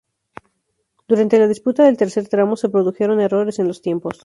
Durante la disputa del tercer tramo se produjeron errores en los tiempos.